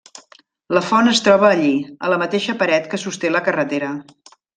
La font es troba allí, a la mateixa paret que sosté la carretera.